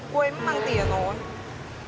quên mang tiền rồi